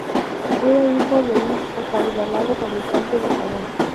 Era hijo de un acaudalado fabricante de jabón.